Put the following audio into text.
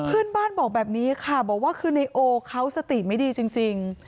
เพื่อนบ้านบอกแบบนี้ค่ะบอกว่าคือในโอเขาสติไม่ดีจริง